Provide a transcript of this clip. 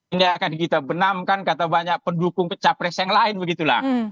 ini akan kita benamkan kata banyak pendukung capres yang lain begitulah